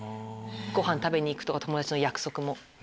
ご飯食べに行くとか友達の約束も。